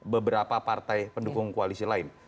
beberapa partai pendukung koalisi lain